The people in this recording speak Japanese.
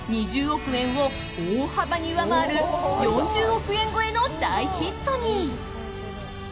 ２０億円を大幅に上回る４０億円超えの大ヒットに。